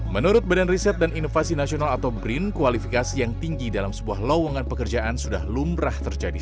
menurut badan riset dan inovasi nasional atau brin kualifikasi yang tinggi dalam sebuah lowongan pekerjaan sudah lumrah terjadi